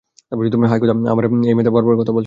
হায় খোদা, আমার মেয়ে একই কথা বার বার বলছে।